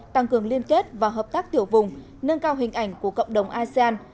tăng cường liên kết và hợp tác tiểu vùng nâng cao hình ảnh của cộng đồng asean